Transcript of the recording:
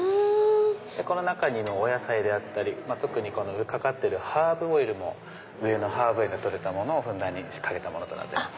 この中にもお野菜であったり特にかかってるハーブオイルも上のハーブ園で採れたものをかけたものとなってます。